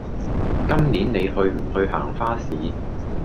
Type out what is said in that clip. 今年你去唔去行花市